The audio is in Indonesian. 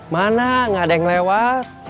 mana nggak ada yang lewat